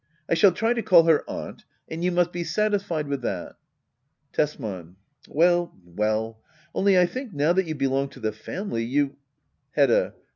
I shall try to call her " Aunt "; and you must be satisfied with that. Tesman. Well well. Only I think now that you belong to the &mily^ you Hedda.